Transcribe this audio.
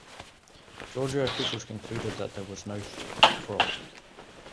Georgia officials concluded that there was no fraud.